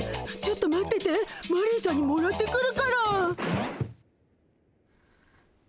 ちょっと待っててマリーさんにもらってくるから。